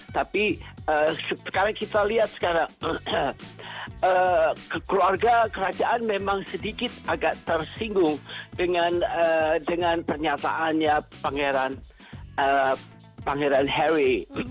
tapi sekarang kita lihat sekarang keluarga kerajaan memang sedikit agak tersinggung dengan pernyataannya pangeran harry